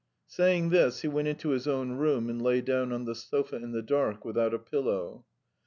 Saying this, he went into his own room and lay down on the sofa in the dark without a pillow.